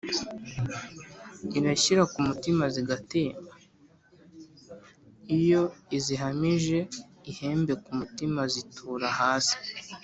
irashyira ku mutima zigatemba: iyo izihamije ihembe ku mutima zitura hasi